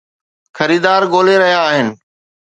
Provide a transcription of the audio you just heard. خريدار ڳولي رھيا آھن